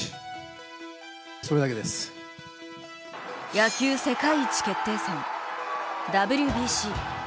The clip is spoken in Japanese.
野球世界一決定戦、ＷＢＣ。